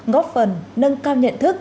góp phần nâng cao nhận thức